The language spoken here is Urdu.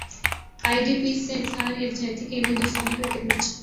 ائی ڈی پیز سے اظہار یک جہتی کیلئے دوستانہ کرکٹ میچ